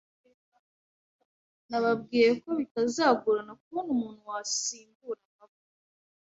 Nababwiye ko bitazagorana kubona umuntu wasimbura mabwa.